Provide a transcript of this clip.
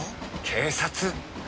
警察。